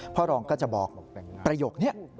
พ่อรองก็จะบอกประโยคนี้